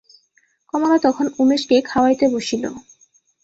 কমলা তখন উমেশকে খাওয়াইতে বসিল।